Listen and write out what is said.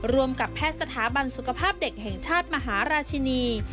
กับแพทย์สถาบันสุขภาพเด็กแห่งชาติมหาราชินี